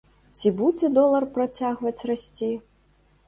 Ці будзе долар працягваць расці?